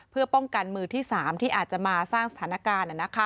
เพื่อป้องกันมือที่๓ที่อาจจะมาสร้างสถานการณ์